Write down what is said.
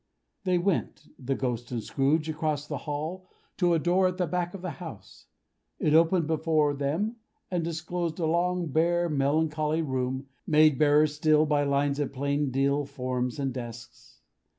They went, the Ghost and Scrooge, across the hall, to a door at the back of the house. It opened before them, and disclosed a long, bare, melancholy room, made barer still by lines of plain deal forms and desks.